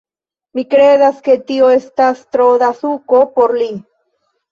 Mi kredas, ke tio estas tro da suko por li